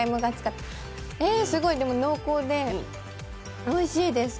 すごい濃厚でおいしいです。